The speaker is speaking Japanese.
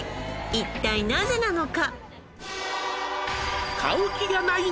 一体なぜなのか？